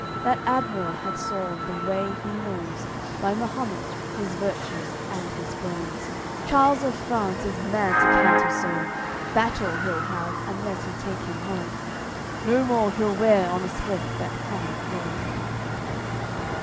That admiral hath sworn, the way he knows, By Mahumet, his virtues and his bones: "Charles of France is mad to canter so; Battle he'll have, unless he take him home; No more he'll wear on's head that crown of gold."